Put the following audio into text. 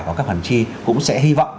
của các khoản chi cũng sẽ hy vọng